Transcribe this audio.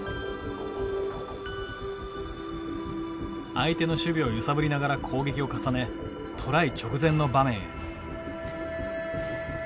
相手の守備を揺さぶりながら攻撃を重ねトライ直前の場面へ。